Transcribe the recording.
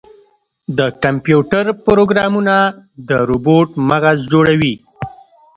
د کمپیوټر پروګرامونه د روبوټ مغز جوړوي.